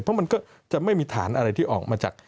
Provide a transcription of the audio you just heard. เพราะมันก็จะไม่มีฐานอะไรที่ออกมาจาก